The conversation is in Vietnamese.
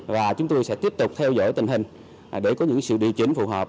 và chúng tôi sẽ tiếp tục theo dõi tình hình để có những sự điều chỉnh phù hợp